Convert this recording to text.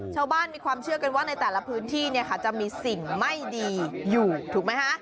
ชาวบ้านมีความเชื่อกันว่าในแต่ละพื้นที่เนี่ยค่ะจะมีสิ่งไม่ดีอยู่ถูกไหมฮะ